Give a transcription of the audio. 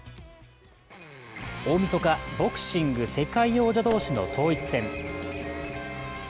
大みそか、ボクシング世界王者同士の統一戦。